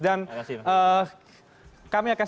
dan kami akan